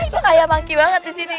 itu kayak monkey banget di sini